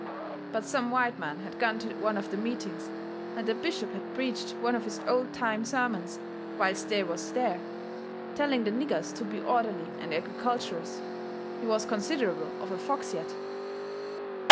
But some white men had gone to one of the meetings, and the bishop had preached one of his old time sermons whilst they was there, telling the niggers to be orderly and agriculturous he was considerable of a fox yet.